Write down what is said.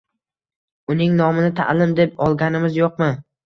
uning nomini «ta’lim» deb olganimiz yo‘qmi?